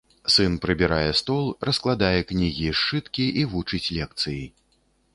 Сын прыбірае стол, раскладае кнігі і сшыткі і вучыць лекцыі.